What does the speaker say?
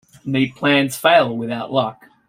Neat plans fail without luck.